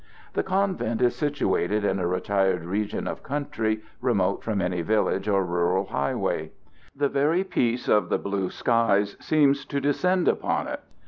The convent is situated in a retired region of country, remote from any village or rural highway. The very peace of the blue skies seems to descend upon it.